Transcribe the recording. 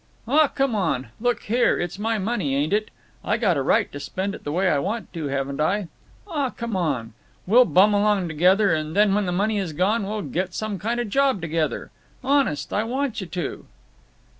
"Aw, come on. Look here; it's my money, ain't it? I got a right to spend it the way I want to, haven't I? Aw, come on. We'll bum along together, and then when the money is gone we'll get some kind of job together. Honest, I want you to."